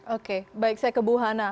oke baik saya ke bu hana